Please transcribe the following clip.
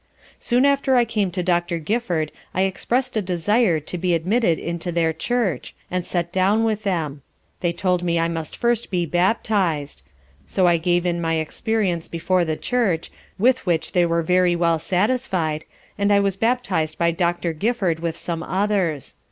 Soon after I came to Doctor Gifford I expressed a desire to be admitted into their Church, and set down with them; they told me I must first be baptized; so I gave in my experience before the Church, with which they were very well satisfied, and I was baptized by Doctor Gifford with some others.